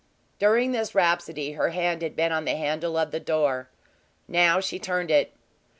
During this rhapsody, her hand had been on the handle of the door. Now she turned it.